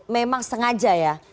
memang sengaja ya